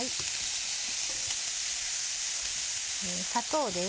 砂糖です。